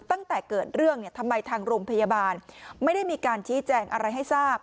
ตั้งแต่เกิดเรื่องเนี่ยทำไมทางโรงพยาบาลไม่ได้มีการชี้แจงอะไรให้ทราบ